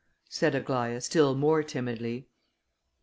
said Aglaïa, still more timidly.